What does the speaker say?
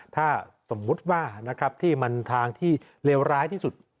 ถ้าสมมุติว่านะครับที่มันทางที่เลวร้ายที่สุด